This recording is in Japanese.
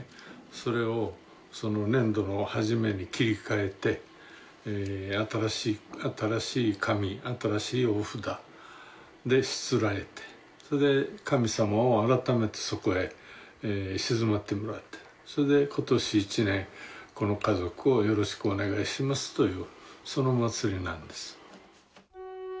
それを年度の初めに切り替えて新しい紙新しいお札でしつらえてそれで神様を改めてそこへ鎮まってもらってそれで今年一年この家族をよろしくお願いしますというそのお祭りなんです。